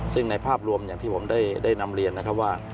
ซึ่งในภาพรวมที่ผมได้นำเรียนว่า